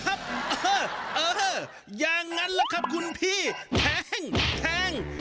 เออเอออย่างนั้นล่ะครับคุณพี่แทงแทง